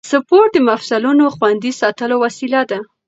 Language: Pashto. سپورت د مفصلونو خوندي ساتلو وسیله ده.